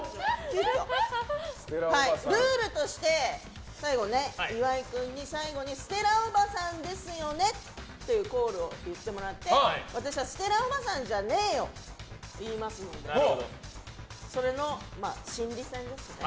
ルールとして、岩井君に最後にステラおばさんですよね！というコールを言ってもらって私はステラおばさんじゃねーよ！って言いますのでそれの心理戦ですね。